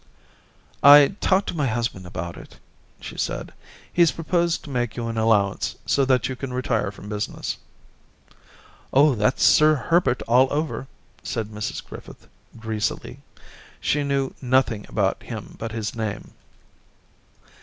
* I talked to my husband about it,' she said ;* he's proposed to make you an allow ance so that you can retire from business.* ' Oh, that's Sir Herbert all over,' said Mrs Griffith, greasily — she knew nothing about him but his name